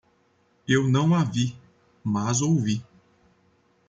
Eu não a vi, mas ouvi.